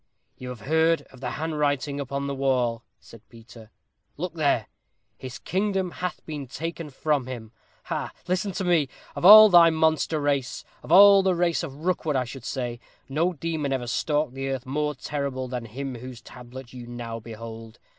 "You have heard of the handwriting upon the wall," said Peter. "Look there! 'His kingdom hath been taken from him.' Ha, ha! Listen to me. Of all thy monster race of all the race of Rookwood I should say no demon ever stalked the earth more terrible than him whose tablet you now behold.